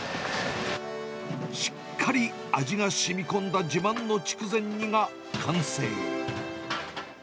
しっかり味がしみこんだ自慢の筑前煮が完成。